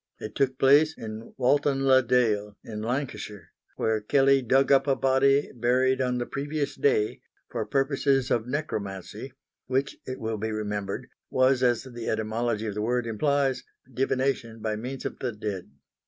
It took place in Walton le dale in Lancashire, where Kelley dug up a body buried on the previous day, for purposes of necromancy, which, it will be remembered, was, as the etymology of the word implies, divination by means of the dead.